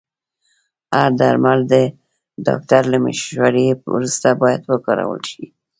هر درمل د ډاکټر له مشورې وروسته باید وکارول شي.